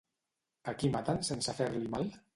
A qui maten sense fer-li mal?